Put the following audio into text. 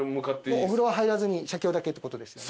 お風呂は入らずに写経だけってことですよね？